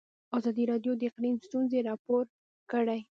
ازادي راډیو د اقلیم ستونزې راپور کړي.